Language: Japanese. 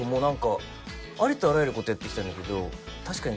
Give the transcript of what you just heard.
ありとあらゆることやってきたんだけど確かに。